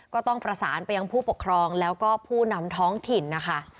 ก็ต้องประสานไปยังผู้ปกครองแล้วก็ผู้นำท้องถิ่นนะคะ